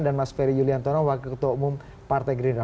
dan mas ferry yuliantono wakil ketua umum partai gerindra